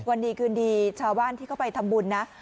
วันดีคืนดีชาวบ้านที่เข้าไปทำบุญนะ